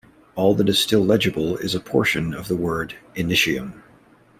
All that is still legible is a portion of the word "Initium".